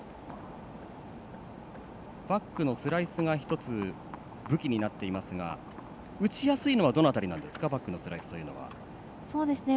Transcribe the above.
バックのスライスが１つ、武器になっていますが打ちやすいのはどの辺りですかバックのスライスは。